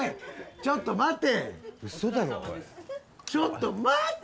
ちょっと待って。